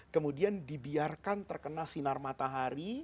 kemudian dibiarkan terkena sinar matahari